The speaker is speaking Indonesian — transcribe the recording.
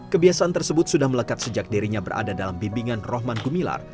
kebiasaan tersebut sudah melekat sejak dirinya berada dalam bimbingan rohman gumilar